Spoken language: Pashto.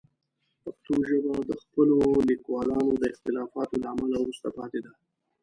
پښتو ژبه د خپلو لیکوالانو د اختلافاتو له امله وروسته پاتې ده.